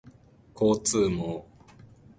交通網